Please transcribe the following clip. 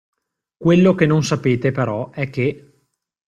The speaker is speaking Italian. Quello che non sapete, però, è che.